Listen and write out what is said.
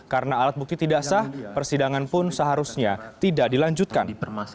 karena alat bukti tidak sah persidangan pun seharusnya tidak dilanjutkan